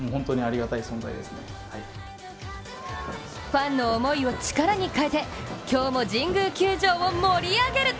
ファンの思いを力に変えて今日も神宮球場を盛り上げる。